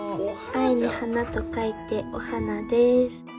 愛に花と書いておはなです。